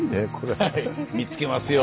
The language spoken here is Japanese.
はい見つけますよ。